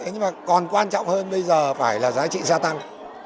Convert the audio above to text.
nhưng mà còn quan trọng hơn bây giờ phải là giá trị gia tăng